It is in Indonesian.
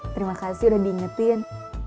terima kasih udah diingetin